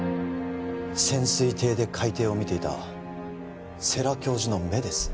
潜水艇で海底を見ていた世良教授の目です